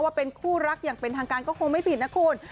ว่าเป็นคู่รักอย่างเป็นทางการก็คงไม่ผิดนะคุณ